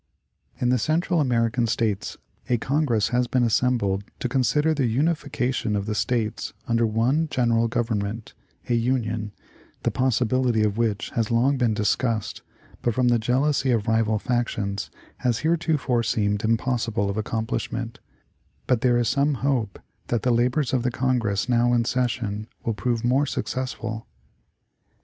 In the Central American States a Congress has been assembled to consider the unification of the States under one general gov ernment — a union, the possibility of which has long been dis cussed, but from the jealousy of rival factions has heretofore seemed impossible of accomplishment ; but there is some hope that the labors of the Congress now in session will prove more successful.